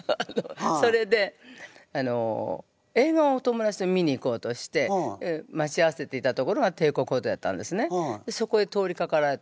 それであの映画をお友達と見に行こうとして待ち合わせていた所が帝国ホテルだったんですね。